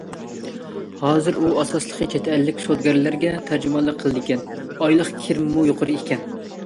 ھازىر ئۇ ئاساسلىقى چەت ئەللىك سودىگەرلەرگە تەرجىمانلىق قىلىدىكەن، ئايلىق كىرىمىمۇ يۇقىرى ئىكەن.